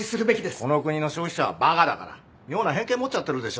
この国の消費者はバカだから妙な偏見持っちゃってるでしょ。